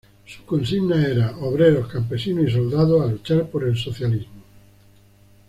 Su consigna era: "obreros, campesinos y soldados a luchar por el socialismo".